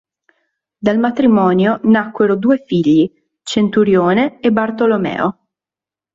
Dal matrimonio nacquero due figli, Centurione e Bartolomeo.